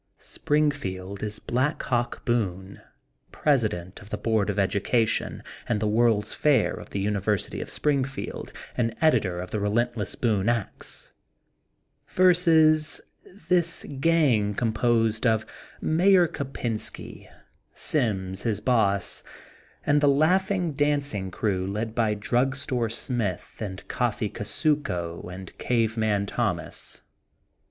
Springfield is Black Hawk Boone, President of the Board of Education and the World's Fair of the University of Springfield and editor of the relentless Boone Ax: — versus this gang composed of Mayor Kopensky, Sims, his boss, and the laughing, dancing crew led by Drug Store Smith and Coffee Kusuko and Cave Man Thomas.